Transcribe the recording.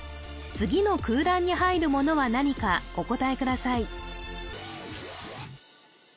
次の空欄に入るものは何かお答えください